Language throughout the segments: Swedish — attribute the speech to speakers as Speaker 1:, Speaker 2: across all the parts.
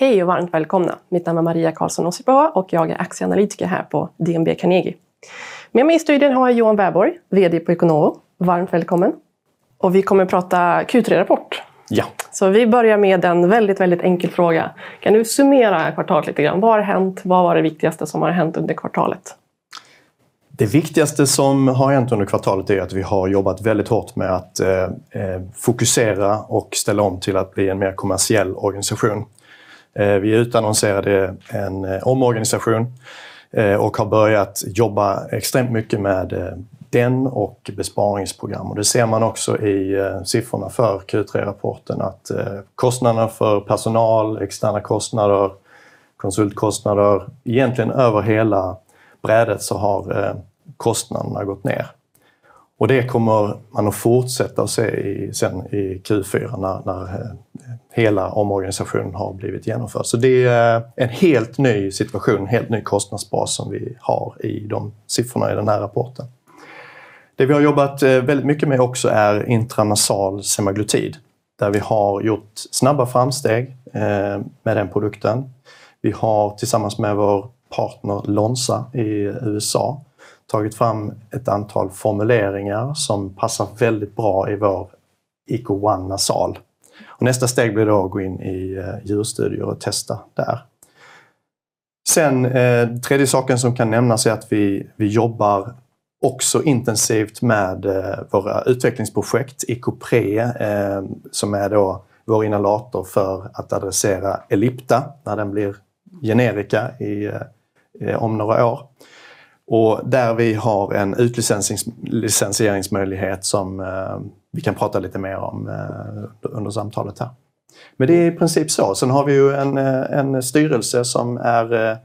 Speaker 1: Hej och varmt välkomna. Mitt namn är Maria Carlsson Ossibaugh och jag är aktieanalytiker här på DNB Carnegie. Med mig i studion har jag Johan Wärborg, VD på Iconovo. Varmt välkommen. Och vi kommer prata Q3-rapport.
Speaker 2: Ja.
Speaker 1: Så vi börjar med en väldigt, väldigt enkel fråga. Kan du summera kvartalet lite grann? Vad har hänt? Vad var det viktigaste som har hänt under kvartalet?
Speaker 2: Det viktigaste som har hänt under kvartalet är ju att vi har jobbat väldigt hårt med att fokusera och ställa om till att bli en mer kommersiell organisation. Vi utannonserade en omorganisation och har börjat jobba extremt mycket med den och besparingsprogram. Det ser man också i siffrorna för Q3-rapporten, att kostnaderna för personal, externa kostnader, konsultkostnader, egentligen över hela brädet så har kostnaderna gått ner. Det kommer man att fortsätta att se sen i Q4 när hela omorganisationen har blivit genomförd. Så det är en helt ny situation, en helt ny kostnadsbas som vi har i de siffrorna i den här rapporten. Det vi har jobbat väldigt mycket med också är intranasal semaglutid, där vi har gjort snabba framsteg med den produkten. Vi har tillsammans med vår partner Lonza i USA tagit fram ett antal formuleringar som passar väldigt bra i vår Eco One nasal. Och nästa steg blir då att gå in i djurstudier och testa där. Sen tredje saken som kan nämnas är att vi jobbar också intensivt med våra utvecklingsprojekt, EcoPre, som är då vår inhalator för att adressera Ellipta när den blir generika om några år. Och där vi har en utlicensieringsmöjlighet som vi kan prata lite mer om under samtalet här. Men det är i princip så. Sen har vi ju en styrelse som är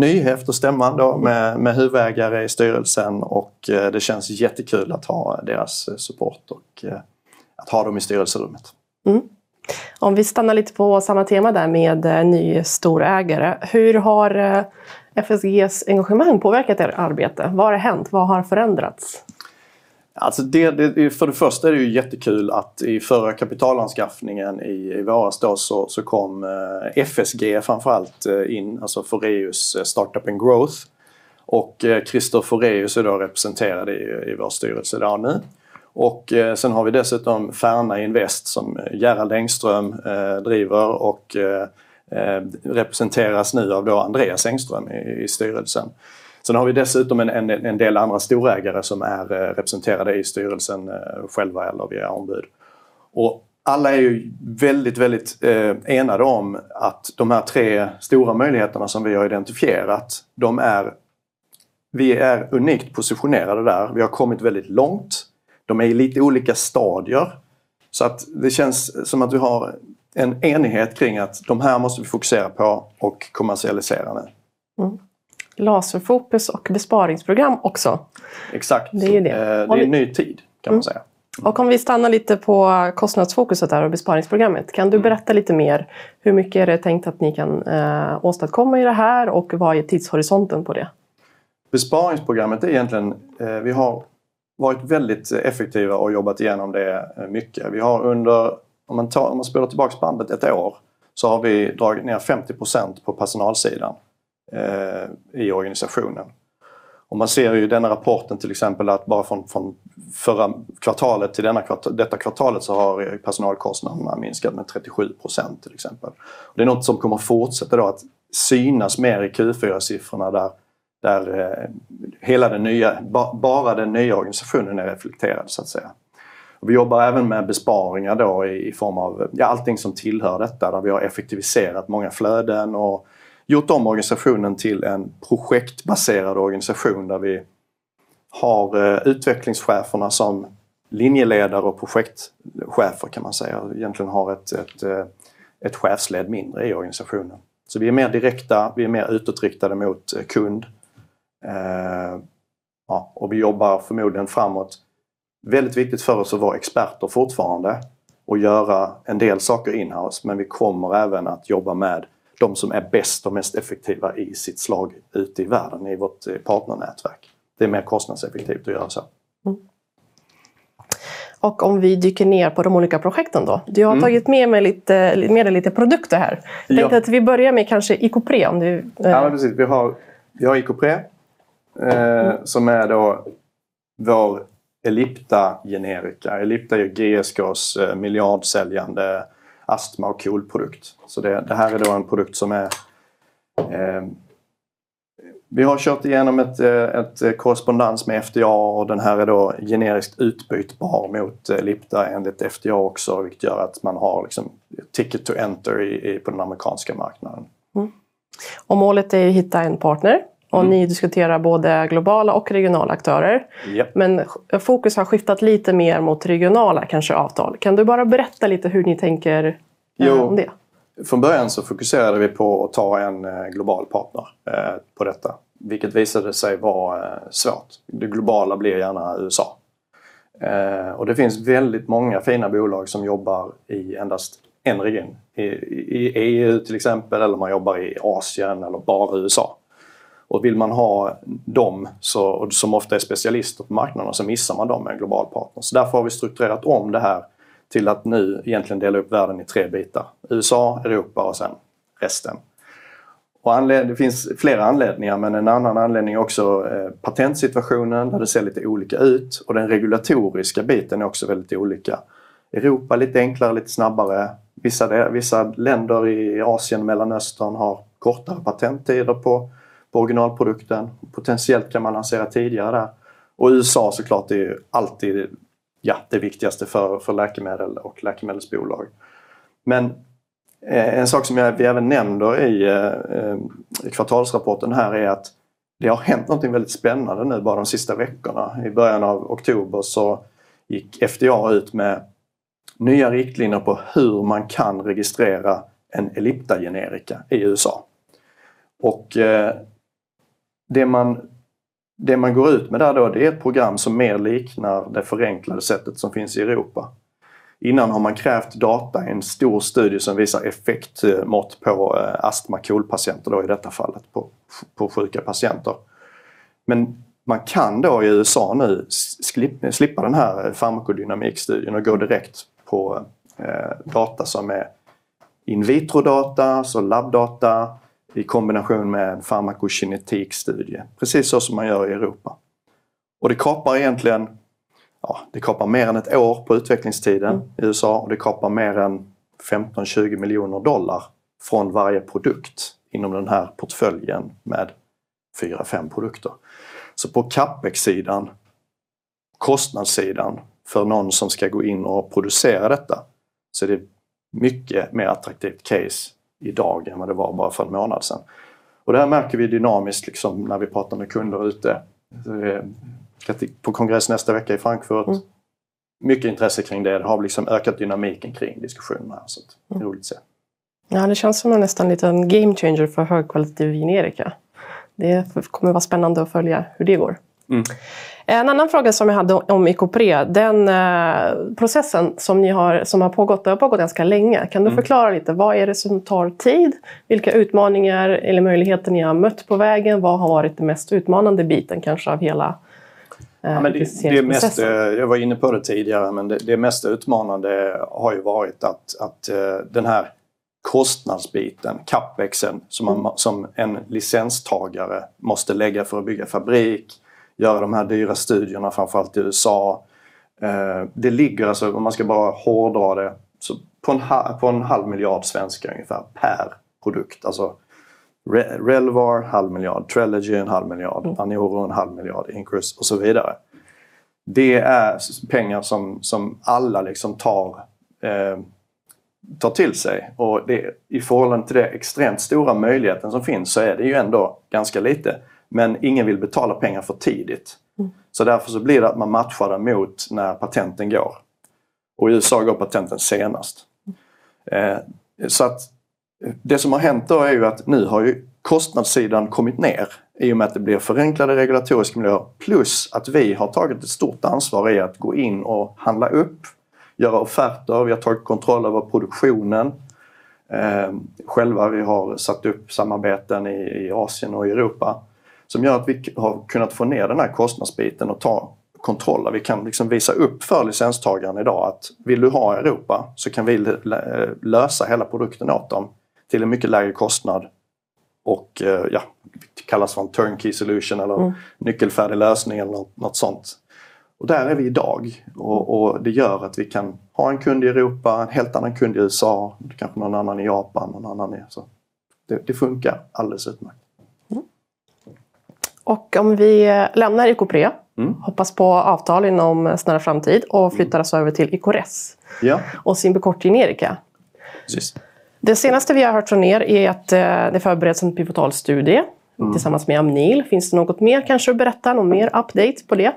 Speaker 2: ny efter stämman då, med huvudägare i styrelsen, och det känns jättekul att ha deras support och att ha dem i styrelserummet.
Speaker 1: Om vi stannar lite på samma tema där med ny storägare. Hur har FSG:s engagemang påverkat ert arbete? Vad har hänt? Vad har förändrats?
Speaker 2: Alltså, det är ju för det första jättekul att i förra kapitalanskaffningen i våras då så kom FSG framför allt in, alltså Foreus Startup & Growth. Christer Foreus är då representerad i vår styrelse idag nu. Sen har vi dessutom Fernah Invest som Gerald Engström driver och representeras nu av då Andreas Engström i styrelsen. Sen har vi dessutom en del andra storägare som är representerade i styrelsen själva eller via ombud. Alla är ju väldigt, väldigt enade om att de här tre stora möjligheterna som vi har identifierat, de är vi är unikt positionerade där. Vi har kommit väldigt långt. De är i lite olika stadier. Det känns som att vi har en enighet kring att de här måste vi fokusera på och kommersialisera nu.
Speaker 1: Laserfokus och besparingsprogram också.
Speaker 2: Exakt. Det är ju en ny tid, kan man säga.
Speaker 1: Och om vi stannar lite på kostnadsfokuset där och besparingsprogrammet, kan du berätta lite mer? Hur mycket är det tänkt att ni kan åstadkomma i det här och vad är tidshorisonten på det?
Speaker 2: Besparingsprogrammet är egentligen, vi har varit väldigt effektiva och jobbat igenom det mycket. Vi har under, om man spolar tillbaka bandet ett år, så har vi dragit ner 50% på personalsidan i organisationen. Man ser ju i denna rapporten till exempel att bara från förra kvartalet till detta kvartalet så har personalkostnaderna minskat med 37%, till exempel. Det är något som kommer att fortsätta att synas mer i Q4-siffrorna där hela den nya, bara den nya organisationen är reflekterad, så att säga. Vi jobbar även med besparingar i form av allting som tillhör detta, där vi har effektiviserat många flöden och gjort om organisationen till en projektbaserad organisation där vi har utvecklingscheferna som linjeledare och projektchefer, kan man säga, och egentligen har ett chefsled mindre i organisationen. Så vi är mer direkta, vi är mer utåtriktade mot kund. Vi jobbar förmodligen framåt. Väldigt viktigt för oss att vara experter fortfarande och göra en del saker in-house, men vi kommer även att jobba med de som är bäst och mest effektiva i sitt slag ute i världen i vårt partnernätverk. Det är mer kostnadseffektivt att göra så.
Speaker 1: Och om vi dyker ner på de olika projekten då. Du har tagit med dig lite produkter här. Jag tänkte att vi börjar med kanske EcoPre om du.
Speaker 2: Ja, men precis. Vi har EcoPre som är då vår Ellipta-generika. Ellipta är ju GSK:s miljardsäljande astma- och KOL-produkt. Så det här är då en produkt som är, vi har kört igenom en korrespondens med FDA och den här är då generiskt utbytbar mot Ellipta enligt FDA också, vilket gör att man har liksom ticket to entry på den amerikanska marknaden.
Speaker 1: Och målet är ju att hitta en partner. Och ni diskuterar både globala och regionala aktörer. Men fokus har skiftat lite mer mot regionala kanske avtal. Kan du bara berätta lite hur ni tänker om det?
Speaker 2: Jo. Från början så fokuserade vi på att ta en global partner på detta, vilket visade sig vara svårt. Det globala blir gärna USA. Och det finns väldigt många fina bolag som jobbar i endast en region. I EU till exempel, eller om man jobbar i Asien eller bara USA. Och vill man ha dem, som ofta är specialister på marknaden, så missar man dem med en global partner. Så därför har vi strukturerat om det här till att nu egentligen dela upp världen i tre bitar. USA, Europa och sen resten. Och det finns flera anledningar, men en annan anledning är också patentsituationen där det ser lite olika ut. Och den regulatoriska biten är också väldigt olika. Europa är lite enklare, lite snabbare. Vissa länder i Asien och Mellanöstern har kortare patenttider på originalprodukten. Potentiellt kan man lansera tidigare där. Och USA såklart är ju alltid det viktigaste för läkemedel och läkemedelsbolag. Men en sak som vi även nämnde i kvartalsrapporten här är att det har hänt någonting väldigt spännande nu bara de sista veckorna. I början av oktober så gick FDA ut med nya riktlinjer på hur man kan registrera en Ellipta-generika i USA. Och det man går ut med där då, det är ett program som mer liknar det förenklade sättet som finns i Europa. Innan har man krävt data i en stor studie som visar effektmått på astma och kolpatienter, då i detta fallet på sjuka patienter. Men man kan då i USA nu slippa den här farmakodynamikstudien och gå direkt på data som är in vitro-data, alltså labbdata, i kombination med en farmakokinetikstudie. Precis så som man gör i Europa. Och det kapar egentligen, ja, det kapar mer än ett år på utvecklingstiden i USA och det kapar mer än $15-20 miljoner från varje produkt inom den här portföljen med fyra-fem produkter. På CapEx-sidan, kostnadssidan för någon som ska gå in och producera detta, så är det mycket mer attraktivt case idag än vad det var bara för en månad sedan. Det här märker vi dynamiskt när vi pratar med kunder ute. På kongress nästa vecka i Frankfurt. Mycket intresse kring det. Det har ökat dynamiken kring diskussionen här. Det är roligt att se.
Speaker 1: Ja, det känns som en nästan liten game changer för högkvalitativ generika. Det kommer vara spännande att följa hur det går. En annan fråga som jag hade om EcoPre, den processen som ni har som har pågått, den har pågått ganska länge. Kan du förklara lite? Vad är det som tar tid? Vilka utmaningar eller möjligheter ni har mött på vägen? Vad har varit den mest utmanande biten kanske av hela processen?
Speaker 2: Jag var inne på det tidigare, men det mest utmanande har ju varit att den här kostnadsbiten, CapExen, som en licenstagare måste lägga för att bygga fabrik, göra de här dyra studierna framför allt i USA. Det ligger på en halv miljard kronor ungefär per produkt. Relvar, halv miljard. Trilogy är en halv miljard. Anioro är en halv miljard. Incrus och så vidare. Det är pengar som alla tar till sig. I förhållande till den extremt stora möjligheten som finns så är det ju ändå ganska lite. Men ingen vill betala pengar för tidigt. Därför så blir det att man matchar dem mot när patenten går ut. I USA går patenten ut senast. Det som har hänt då är ju att nu har ju kostnadssidan kommit ner i och med att det blir förenklade regulatoriska miljöer. Plus att vi har tagit ett stort ansvar i att gå in och handla upp, göra offerter. Vi har tagit kontroll över produktionen själva. Vi har satt upp samarbeten i Asien och i Europa som gör att vi har kunnat få ner den här kostnadsbiten och ta kontroll. Vi kan visa upp för licenstagarna idag att vill du ha i Europa så kan vi lösa hela produkten åt dem till en mycket lägre kostnad. Det kallas för en turnkey solution eller nyckelfärdig lösning eller något sånt. Där är vi idag. Det gör att vi kan ha en kund i Europa, en helt annan kund i USA, kanske någon annan i Japan, någon annan i. Så det funkar alldeles utmärkt.
Speaker 1: Och om vi lämnar EcoPre, hoppas på avtal inom snar framtid och flyttar oss över till EcoRes och sin bekort generika. Det senaste vi har hört från är att det förbereds en pivotalstudie tillsammans med Amnil. Finns det något mer kanske att berätta? Någon mer update på det?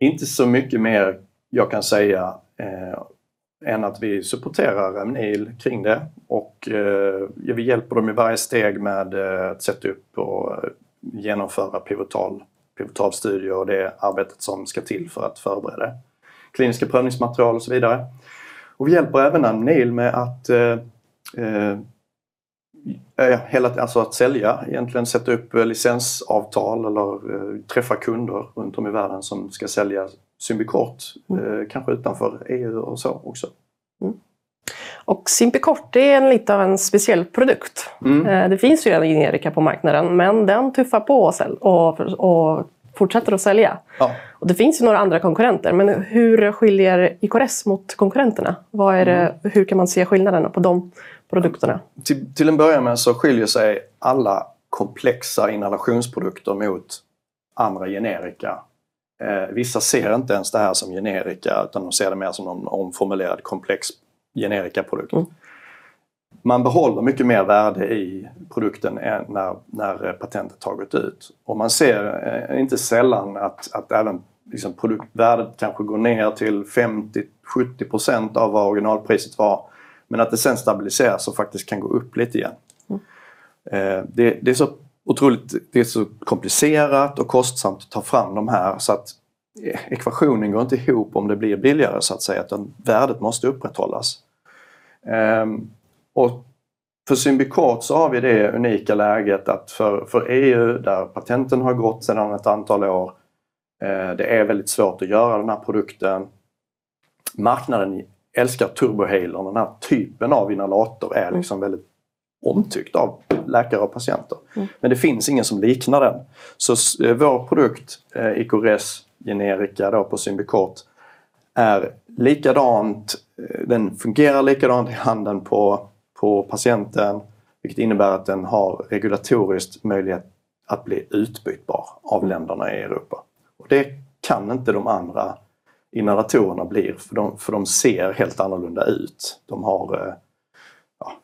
Speaker 2: Inte så mycket mer jag kan säga än att vi supporterar Amnil kring det. Vi hjälper dem i varje steg med att sätta upp och genomföra pivotalstudier och det arbetet som ska till för att förbereda kliniska prövningsmaterial och så vidare. Vi hjälper även Amnil med att sälja egentligen, sätta upp licensavtal eller träffa kunder runt om i världen som ska sälja Symbicort, kanske utanför EU och så också.
Speaker 1: Och Symbicort, det är en lite av en speciell produkt. Det finns ju en generika på marknaden, men den tuffar på och fortsätter att sälja. Det finns ju några andra konkurrenter, men hur skiljer EcoRes mot konkurrenterna? Vad är det, hur kan man se skillnaderna på de produkterna?
Speaker 2: Till en början med så skiljer sig alla komplexa inhalationsprodukter mot andra generika. Vissa ser inte ens det här som generika, utan de ser det mer som en omformulerad komplex generikaprodukt. Man behåller mycket mer värde i produkten än när patentet har gått ut. Man ser inte sällan att även produktvärdet kanske går ner till 50-70% av vad originalpriset var, men att det sen stabiliseras och faktiskt kan gå upp lite igen. Det är så otroligt, det är så komplicerat och kostsamt att ta fram de här, så att ekvationen går inte ihop om det blir billigare, så att säga, utan värdet måste upprätthållas. För Symbicort så har vi det unika läget att för EU, där patenten har gått sedan ett antal år, det är väldigt svårt att göra den här produkten. Marknaden älskar Turbohaler. Den här typen av inhalator är väldigt omtyckt av läkare och patienter. Men det finns ingen som liknar den. Så vår produkt, EcoRes generika på Symbicort, är likadan. Den fungerar likadant i handen på patienten, vilket innebär att den har regulatorisk möjlighet att bli utbytbar av länderna i Europa. Och det kan inte de andra inhalatorerna bli, för de ser helt annorlunda ut.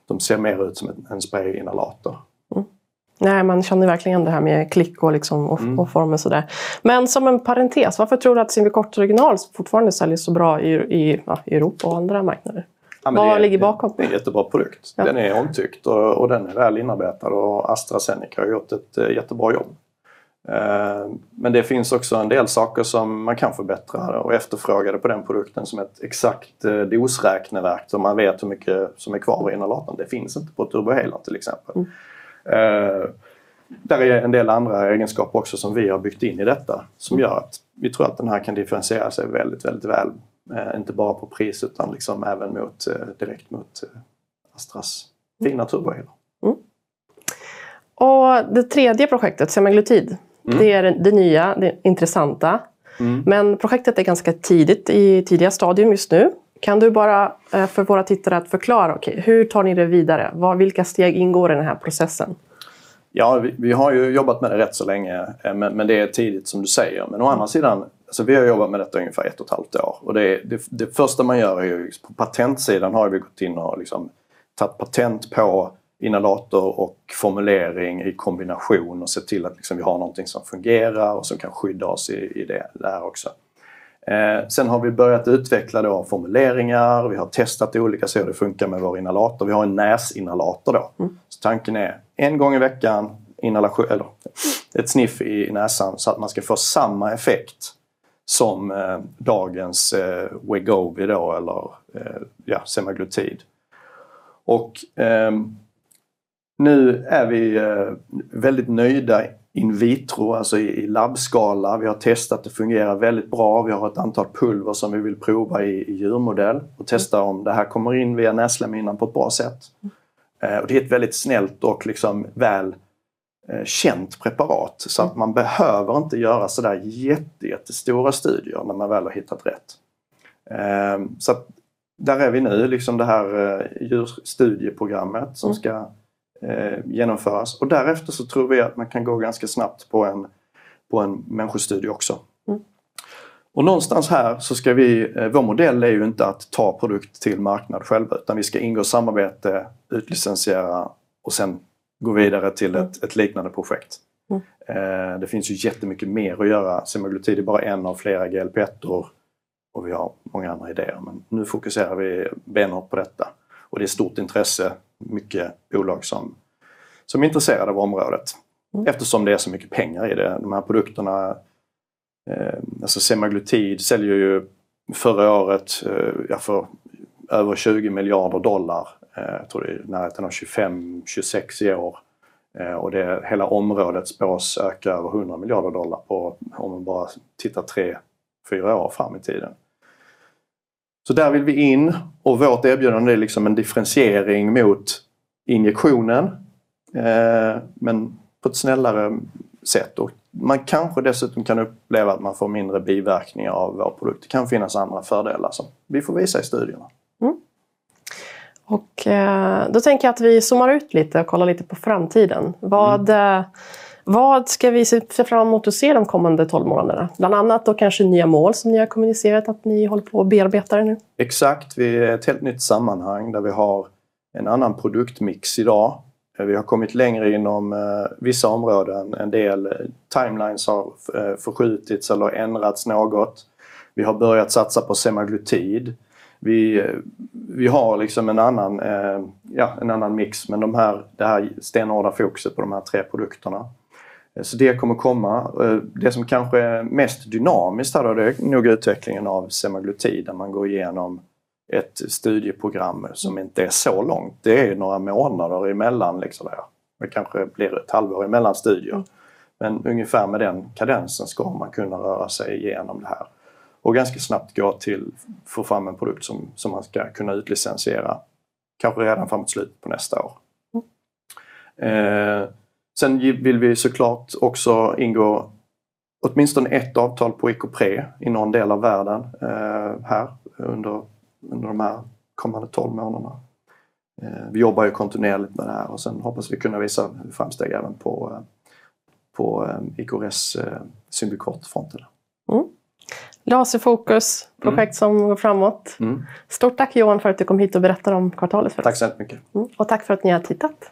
Speaker 2: De ser mer ut som en spray-inhalator.
Speaker 1: Nej, man känner verkligen det här med klick och form och så där. Men som en parentes, varför tror du att Symbicort original fortfarande säljer så bra i Europa och andra marknader? Vad ligger bakom?
Speaker 2: Det är en jättebra produkt. Den är omtyckt och den är väl inarbetad och AstraZeneca har gjort ett jättebra jobb. Men det finns också en del saker som man kan förbättra och efterfråga på den produkten som är ett exakt dosräkneverk där man vet hur mycket som är kvar i inhalatorn. Det finns inte på Turbohaler, till exempel. Det är en del andra egenskaper också som vi har byggt in i detta, som gör att vi tror att den här kan differentiera sig väldigt, väldigt väl, inte bara på pris utan även direkt mot Astras fina Turbohaler.
Speaker 1: Och det tredje projektet, Semaglutid, det är det nya, det intressanta. Men projektet är ganska tidigt i tidiga stadium just nu. Kan du bara för våra tittare förklara, okej, hur tar ni det vidare? Vilka steg ingår i den här processen?
Speaker 2: Ja, vi har ju jobbat med det rätt så länge, men det är tidigt som du säger. Men å andra sidan, vi har jobbat med detta i ungefär ett och ett halvt år. Det första man gör är ju på patentsidan, har vi gått in och tagit patent på inhalator och formulering i kombination och sett till att vi har någonting som fungerar och som kan skydda oss i det där också. Sen har vi börjat utveckla formuleringar. Vi har testat i olika serier och det funkar med vår inhalator. Vi har en näsinhalator då. Så tanken är en gång i veckan, eller ett sniff i näsan så att man ska få samma effekt som dagens Wegovy då eller Semaglutid. Nu är vi väldigt nöjda in vitro, i labbskala. Vi har testat att det fungerar väldigt bra. Vi har ett antal pulver som vi vill prova i djurmodell och testa om det här kommer in via näslemhinnan på ett bra sätt. Det är ett väldigt snällt och välkänt preparat. Man behöver inte göra så där jättestora studier när man väl har hittat rätt. Där är vi nu, det här djurstudieprogrammet som ska genomföras. Därefter så tror vi att man kan gå ganska snabbt på en människostudie också. Någonstans här så ska vi, vår modell är ju inte att ta produkt till marknad själva, utan vi ska ingå samarbete, utlicensiera och sen gå vidare till ett liknande projekt. Det finns ju jättemycket mer att göra. Semaglutid är bara en av flera GLP-1:or och vi har många andra idéer. Men nu fokuserar vi benhårt på detta. Och det är stort intresse, mycket bolag som är intresserade av området. Eftersom det är så mycket pengar i det. De här produkterna, alltså Semaglutid, säljer ju förra året för över $20 miljarder. Jag tror det är i närheten av $25-26 miljarder i år. Och det är hela området spås öka över $100 miljarder om man bara tittar tre, fyra år fram i tiden. Så där vill vi in. Och vårt erbjudande är liksom en differentiering mot injektionen, men på ett snällare sätt. Och man kanske dessutom kan uppleva att man får mindre biverkningar av vår produkt. Det kan finnas andra fördelar som vi får visa i studierna.
Speaker 1: Och då tänker jag att vi zoomar ut lite och kollar lite på framtiden. Vad ska vi se fram emot att se de kommande tolv månaderna? Bland annat då kanske nya mål som ni har kommunicerat att ni håller på att bearbeta det nu.
Speaker 2: Exakt. Vi är i ett helt nytt sammanhang där vi har en annan produktmix idag. Vi har kommit längre inom vissa områden. En del timelines har förskjutits eller ändrats något. Vi har börjat satsa på Semaglutid. Vi har en annan mix. Men det här stenhårda fokuset på de här tre produkterna. Så det kommer komma. Det som kanske är mest dynamiskt här då, det är nog utvecklingen av Semaglutid där man går igenom ett studieprogram som inte är så långt. Det är några månader emellan det. Det kanske blir ett halvår emellan studier. Men ungefär med den kadensen ska man kunna röra sig igenom det här. Och ganska snabbt gå till att få fram en produkt som man ska kunna utlicensiera. Kanske redan framåt slutet på nästa år. Sen vill vi såklart också ingå åtminstone ett avtal på EcoPre i någon del av världen här under de här kommande tolv månaderna. Vi jobbar ju kontinuerligt med det här och sen hoppas vi kunna visa framsteg även på EcoRes Symbicort-fronterna.
Speaker 1: Laserfokus, projekt som går framåt. Stort tack, Johan, för att du kom hit och berättade om kvartalet för oss.
Speaker 2: Tack så jättemycket.
Speaker 1: Och tack för att ni har tittat.